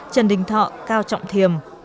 trần đình thọ cao trọng thiềm